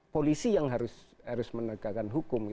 polisi yang harus menegakkan hukum